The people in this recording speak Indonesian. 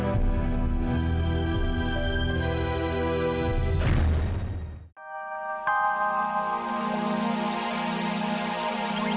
ya pak taufan